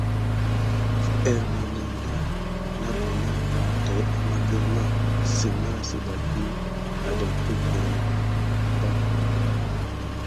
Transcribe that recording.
Ernénè na buna täki amà grirmà sem.yà saki depumosok kà nakua pak.